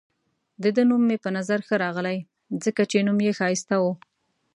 د ده نوم مې په نظر ښه راغلی، ځکه چې نوم يې ښایسته وو.